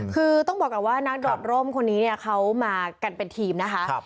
คือต้องบอกก่อนว่านักโดดร่มคนนี้เนี่ยเขามากันเป็นทีมนะคะ